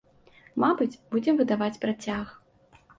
Мабыць, будзем выдаваць працяг.